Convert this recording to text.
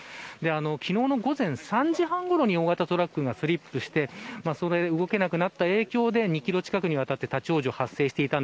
昨日の午前３時半ごろに大型トラックがスリップしてそれで、動けなくなった影響で２キロ近くにわたって立ち往生が発生していました。